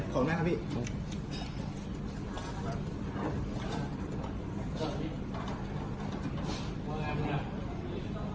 ขอบคุณมากครับพี่